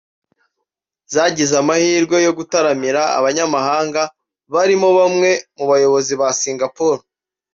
zagize amahirwe yo gutaramira abanyamahanga barimo bamwe mu bayobozi ba Singapore